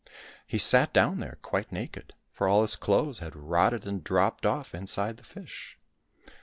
He sat down there quite naked, for all his clothes had rotted and dropped off inside the fish.